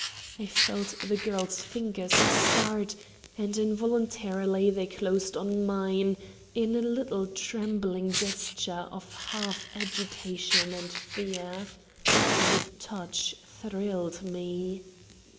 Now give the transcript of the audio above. I felt the girl's fingers start, and involuntarily they closed on mine in a little trembling gesture of half agitation and fear. The touch thrilled me.